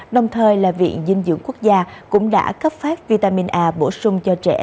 đồng thời là viện dinh dưỡng quốc gia cũng đã cấp phát vitamin a bổ sung cho trẻ